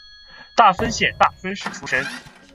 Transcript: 大分县大分市出身。